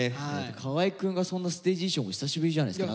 河合くんがそんなステージ衣装も久しぶりじゃないですか？